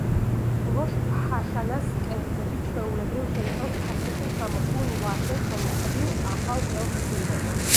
როშ ჰაშანას კერძები ჩვეულებრივ შეიცავს თაფლში ჩამოსხმულ ვაშლს, რომ ტკბილ ახალ წელს სიმბოლოს.